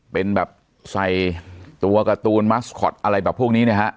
เป็นแบบใส่ตัวการ์ตูนมัสคอตอะไรแบบพวกนี้เนี่ยฮะ